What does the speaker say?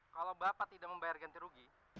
kalau bapak tidak membayar ganti rugi